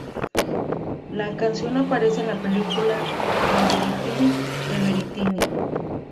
La canción aparece en la película Everything, Everything.